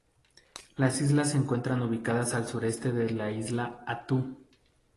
Las islas se encuentran ubicadas al sureste de la isla Attu.